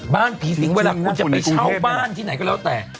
บ้านผีสิงเวลาคุณจะไปเช่าบ้านที่ไหนก็แล้วแต่